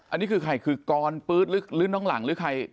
อันนี้คือใครคือกรปื๊ดหรือน้องหลังหรือใคร